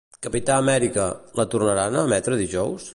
"Capità Amèrica", la tornaran a emetre dijous?